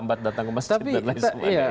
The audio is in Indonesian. tempat datang ke masjid dan lain sebagainya